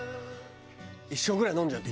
１升ぐらい飲んじゃって。